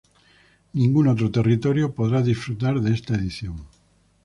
Ningún otro territorio podrá disfrutar de esta edición.